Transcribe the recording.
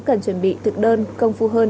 cần chuẩn bị thực đơn công phu hơn